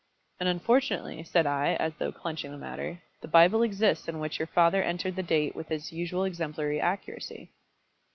"And unfortunately," said I, as though clenching the matter, "the Bible exists in which your father entered the date with his usual exemplary accuracy."